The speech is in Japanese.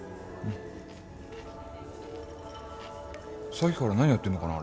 さっきから何やってんのかな？